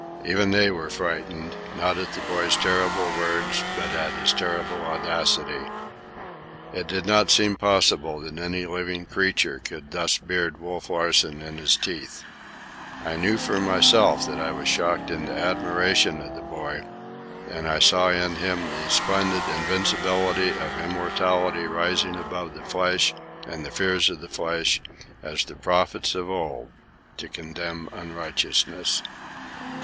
Even they were frightened, not at the boy's terrible words, but at his terrible audacity. It did not seem possible that any living creature could thus beard Wolf Larsen in his teeth. I know for myself that I was shocked into admiration of the boy, and I saw in him the splendid invincibleness of immortality rising above the flesh and the fears of the flesh, as in the prophets of old, to condemn unrighteousness.